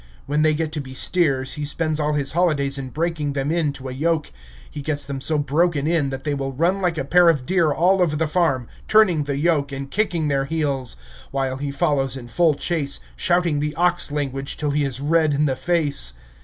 When they get to be steers he spends all his holidays in breaking them in to a yoke. He gets them so broken in that they will run like a pair of deer all over the farm, turning the yoke, and kicking their heels, while he follows in full chase, shouting the ox language till he is red in the face.